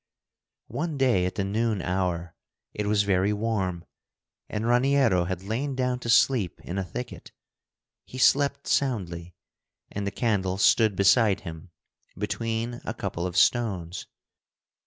One day at the noon hour it was very warm, and Raniero had lain down to sleep in a thicket. He slept soundly, and the candle stood beside him between a couple of stones.